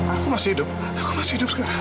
aku masih hidup aku masih hidup sekarang